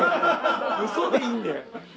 ウソでいいんで。